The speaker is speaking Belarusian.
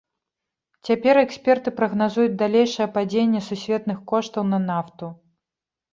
Цяпер эксперты прагназуюць далейшае падзенне сусветных коштаў на нафту.